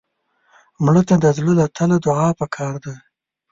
مړه ته د زړه له تله دعا پکار ده